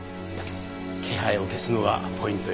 気配を消すのがポイントよ。